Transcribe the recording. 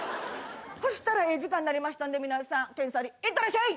そしたらええ時間になりましたんで皆さん検査にいってらっしゃい！